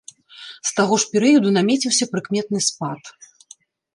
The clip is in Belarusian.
З таго ж перыяду намеціўся прыкметны спад.